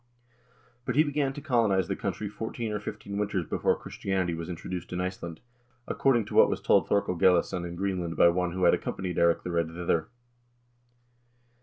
But he began to colonize the country fourteen or fifteen winters before Christianity was introduced in Iceland,2 according to what was told Thorkel Gellisson in Greenland by one who had ac companied Eirik the Red thither."